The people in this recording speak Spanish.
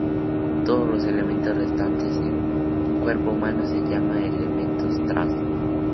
Todos los elementos restantes en un cuerpo humano se llaman ""elementos traza"".